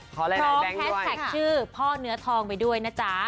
พร้อมแฮชแท็กชื่อพ่อเนื้อทองไปด้วยนะจ๊ะ